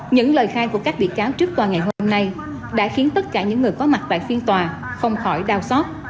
những lời khai của các bị cáo trước tòa ngày hôm nay đã khiến tất cả những người có mặt tại phiên tòa không khỏi đau xót